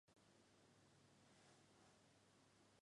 台风为乔杰立家族旗下偶像男子团体。